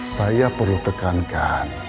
saya perlu tekankan